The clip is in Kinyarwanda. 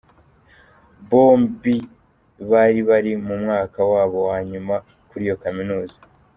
Bombi bari bari mu mwaka wabo wa nyuma kuri iyo kaminuza.